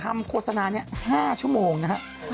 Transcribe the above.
โฆษณานี้๕ชั่วโมงนะครับ